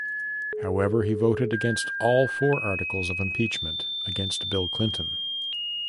However, he voted against all four articles of impeachment against Bill Clinton.